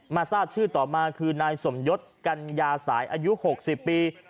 ทราบชื่อต่อมาคือนายสมยศกัญญาสายอายุ๖๐ปี